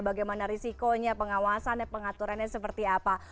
bagaimana risikonya pengawasannya pengaturannya seperti apa